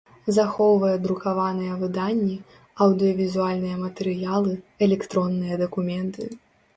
Захоўвае друкаваныя выданні, аўдыёвізуальныя матэрыялы, электронныя дакументы.